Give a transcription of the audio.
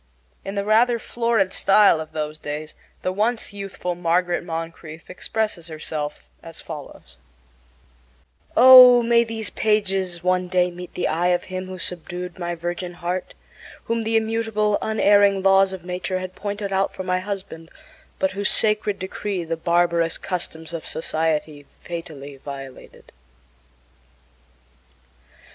In the rather florid style of those days the once youthful Margaret Moncrieffe expresses herself as follows: Oh, may these pages one day meet the eye of him who subdued my virgin heart, whom the immutable, unerring laws of nature had pointed out for my husband, but whose sacred decree the barbarous customs of society fatally violated!